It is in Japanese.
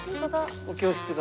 お教室が。